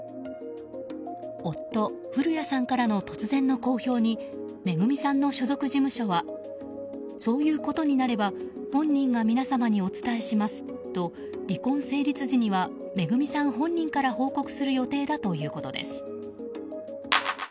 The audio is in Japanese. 夫・降谷さんからの突然の公表にＭＥＧＵＭＩさんの所属事務所はそういうことになれば本人が皆様にお伝えしますと離婚成立時にはＭＥＧＵＭＩさん本人から報告する予定だということです。